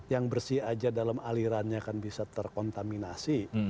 yang bersih aja dalam alirannya kan bisa terkontaminasi